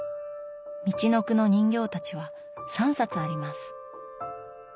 「みちのくの人形たち」は３冊あります。